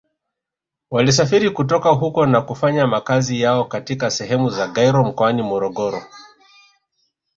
Walisafiri kutoka huko na kufanya makazi yao katika sehemu za Gairo mkoani Morogoro